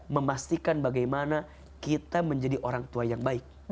memastikan bagaimana kita menjadi orang tua yang baik